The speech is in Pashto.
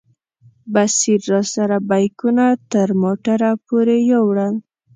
بصیر راسره بیکونه تر موټره پورې یوړل.